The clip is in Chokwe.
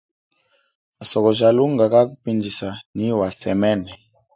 Asoko ja lunga kakupindjisa nyi wa semene.